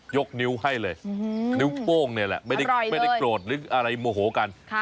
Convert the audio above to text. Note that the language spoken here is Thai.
ยกนิ้วให้เลยนิ้วโป้งนี่แหละไม่ได้โกรธไม่ได้อะไรมัวโหกันอร่อยเลย